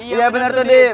iya bener tuh div